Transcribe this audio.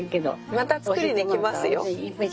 またつくりにきますよ。